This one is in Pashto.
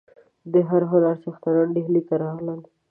د هر هنر څښتنان ډهلي ته راغلل.